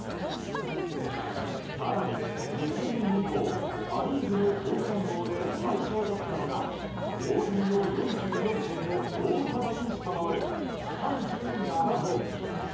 更に、２０００年以降ア・リーグのホームラン王で最少だったのが大谷の４４本を大幅に下回る３７本。